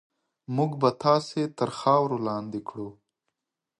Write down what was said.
موږ به تاسې تر خاورو لاندې کړو.